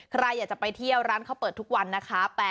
ใครอยากจะไปเที่ยวร้านเขาเปิดทุกวันนะคะ